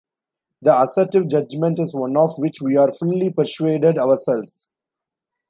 The assertive judgment is one of which we are fully persuaded ourselves.